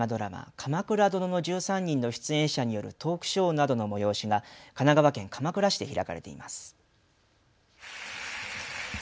鎌倉殿の１３人の出演者によるトークショーなどの催しが神奈川県鎌倉市で開かれています。